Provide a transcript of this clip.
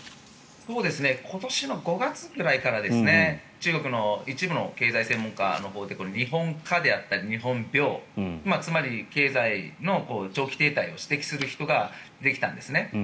今年の５月ぐらいから中国の一部の経済専門家のほうで日本化であったり日本病つまり経済の長期停滞を指摘する人が出てきたんですね。